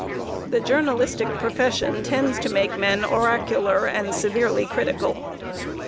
The journalistic profession tends to make men oracular and severely critical.